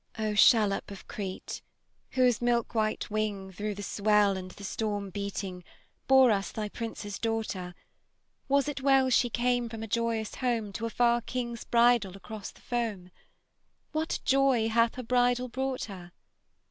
O shallop of Crete, whose milk white wing Through the swell and the storm beating, Bore us thy Prince's daughter, Was it well she came from a joyous home To a far King's bridal across the foam? What joy hath her bridal brought her?